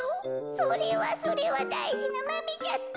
それはそれはだいじなマメじゃった。